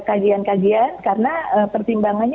kajian kajian karena pertimbangannya